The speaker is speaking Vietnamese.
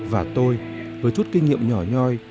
và tôi với chút kinh nghiệm nhỏ nhoi